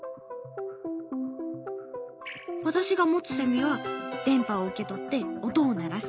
私が持つセミは電波を受け取って音を鳴らす。